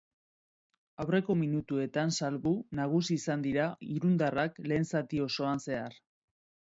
Aurreneko minutuetan salbu, nagusi izan dira irundarrak lehen zati osoan zehar.